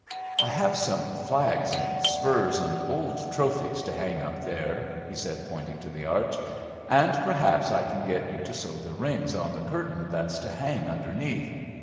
"I have some flags and spurs and old trophies to hang up there," he said, pointing to the arch; "and perhaps I can get you to sew the rings on the curtain that's to hang underneath.